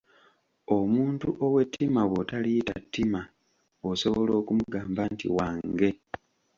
Omuntu ow’ettima bw'otaliyita ttima, osobola okumugamba nti wa nge.